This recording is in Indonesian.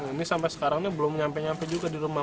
ini sampai sekarang ini belum nyampe nyampe juga di rumah